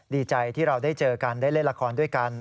ดีใจที่เราได้เจอกันได้เล่นละครด้วยกัน